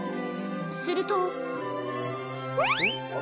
すると。